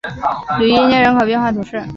吕伊涅人口变化图示